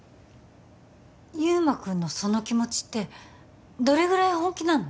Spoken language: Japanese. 祐馬くんのその気持ちってどれぐらい本気なの？